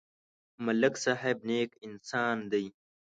ملک صاحب نېک انسان دی.